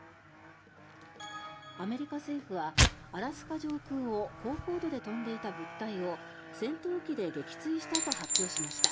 アメリカ政府はアラスカ上空を高高度で飛んでいた物体を戦闘機で撃墜したと発表しました。